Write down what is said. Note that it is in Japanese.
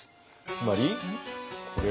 つまりこれを。